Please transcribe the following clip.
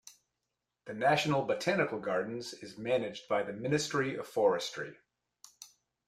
The National Botanical Gardens is managed by the Ministry of Forestry.